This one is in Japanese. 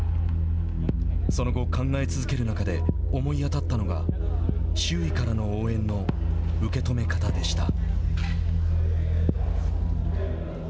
その後、考え続ける中で思い当たったのが周囲からの応援の受け止め方でした。